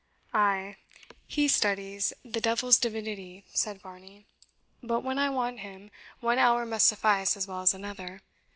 "Ay, he studies the devil's divinity," said Varney; "but when I want him, one hour must suffice as well as another.